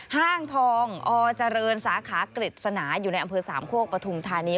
ห้างทองอเจริญสาขากฤษณาอยู่ในอำเภอสามโคกปฐุมธานี